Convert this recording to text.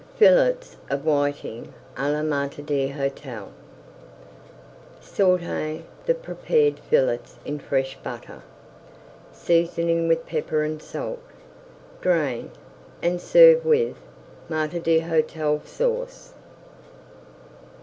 FILLETS OF WHITING À LA MAÎTRE D'HÔTEL Sauté the prepared fillets in fresh butter, seasoning with pepper and salt. Drain, and serve with Maître d'Hôtel Sauce.